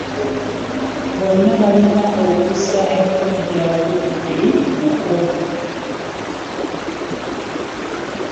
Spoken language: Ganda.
Bonna balina okussa emikono gyabwe ku buli muko.